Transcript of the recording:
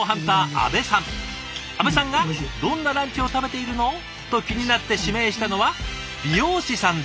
阿部さんが「どんなランチを食べているの？」と気になって指名したのは美容師さんでした。